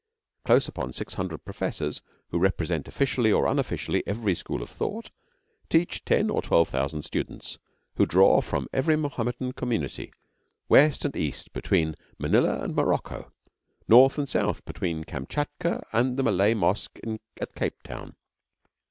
Close upon six hundred professors, who represent officially or unofficially every school or thought, teach ten or twelve thousand students, who draw from every Mohammedan community, west and east between Manila and Morocco, north and south between Kamchatka and the Malay mosque at Cape Town.